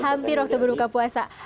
hampir waktu berbuka puasa